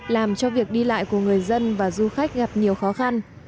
làm cho việc đi lại của người dân và du khách gặp nhiều khó khăn